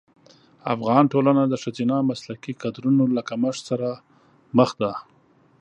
افغان ټولنه د ښځینه مسلکي کدرونو له کمښت سره مخ ده.